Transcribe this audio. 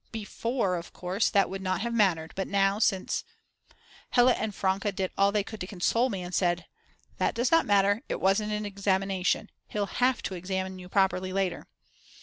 Before of course that would not have mattered; but now since ... Hella and Franke did all they could to console me and said: "That does not matter, it wasn't an examination; he'll have to examine you properly later."